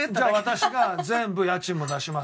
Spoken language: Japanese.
私が全部家賃も出します